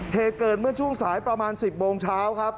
เหตุเกิดเมื่อช่วงสายประมาณ๑๐โมงเช้าครับ